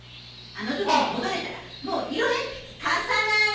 あのときに戻れたらもう色鉛筆貸さない！